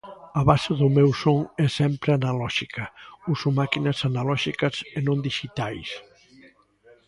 A base do meu son é sempre analóxica: uso máquinas analóxicas e non dixitais.